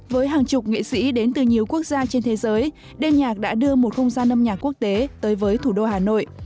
với hàng chục nghệ sĩ đến từ nhiều quốc gia trên thế giới đêm nhạc đã đưa một không gian âm nhạc quốc tế tới với thủ đô hà nội